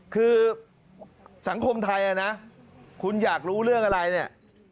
คือสังคมไทยนะคุณอยากรู้เรื่องอะไรเนี่ย